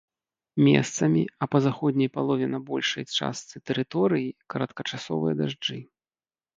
Месцамі, а па заходняй палове на большай частцы тэрыторыі, кароткачасовыя дажджы.